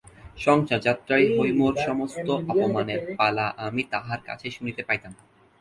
সংসারযাত্রায় হৈমর সমস্ত অপমানের পালা আমি তাহার কাছেই শুনিতে পাইতাম।